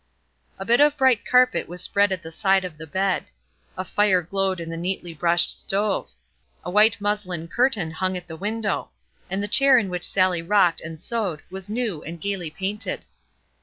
A bit of bright carpet was spread at the side of the bed. A fire glowed in the neatly brushed stove. A white muslin curtain hung at the window; and the chair in which Sallie rocked and sewed was new and gayly painted.